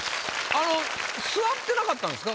座ってなかったんですか？